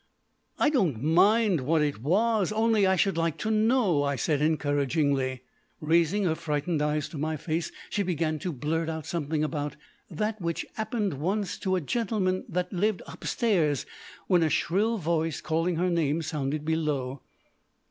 "I don't mind what it was, only I should like to know," I said encouragingly. Raising her frightened eyes to my face, she began to blurt out something about "that which 'appened once to a gentleman that lived hupstairs", when a shrill voice calling her name sounded below.